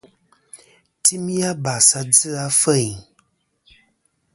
Timi abàs a dzɨ afêyn.